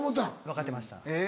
分かってました。